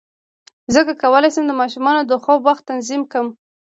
څنګه کولی شم د ماشومانو د خوب وخت تنظیم کړم